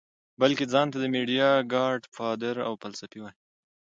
بلکه ځان ته د ميډيا ګاډ فادر او فلسفي وائي -